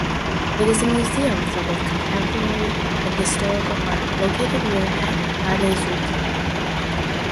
It is a museum for both contemporary and historical art located near het Ladeuzeplein.